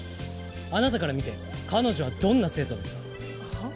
あなたから見て彼女はどんな生徒だった？はあ？